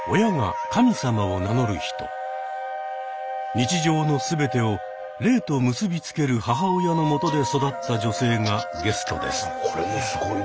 日常のすべてを霊と結びつける母親のもとで育った女性がゲストです。